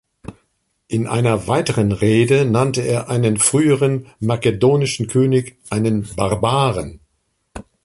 In einer weiteren Rede nannte er einen früheren makedonischen König einen Barbaren.